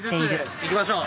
いきましょう！